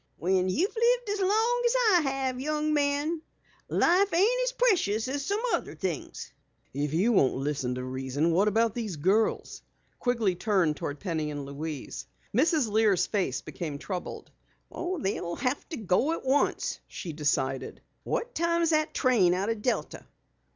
"When you've lived as long as I have, young man, life ain't so precious as some other things." "If you won't listen to reason yourself, what about these girls?" Quigley turned toward Penny and Louise. Mrs. Lear's face became troubled. "They'll have to go at once," she decided. "What time's that train out o' Delta?"